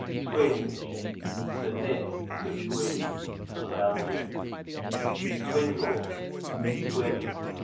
Twinge, to nip, to squeeze. Bel. Twindles, twins.